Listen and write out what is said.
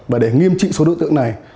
và để nghiêm trị số đối tượng này